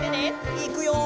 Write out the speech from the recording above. いくよ！